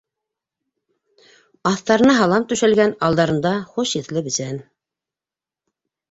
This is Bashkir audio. Аҫтарына һалам түшәлгән, алдарында - хуш еҫле бесән.